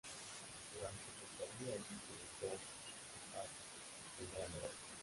Durante su estadía allí, publicó "Mohawk", su primera novela.